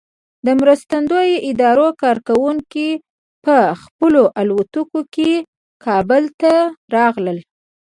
د مرستندویه ادارو کارکوونکي په خپلو الوتکو کې کابل ته راغلل.